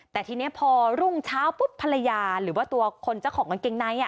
แต่ทีนี้พอรุ่งเช้าปุ๊บภรรยาหรือว่าตัวคนเจ้าของกางเกงใน